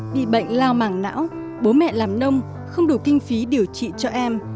bị bệnh lao màng não bố mẹ làm nông không đủ kinh phí điều trị cho em